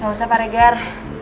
hah gak usah pak reger